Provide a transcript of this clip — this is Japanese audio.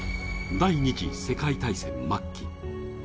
第二次世界大戦末期。